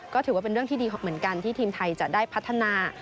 ก็ถือว่าเป็นเรื่องที่ดีเหมือนกันที่ทีมไทยจะได้พัฒนา